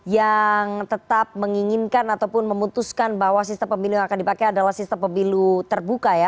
yang tetap menginginkan ataupun memutuskan bahwa sistem pemilu yang akan dipakai adalah sistem pemilu terbuka ya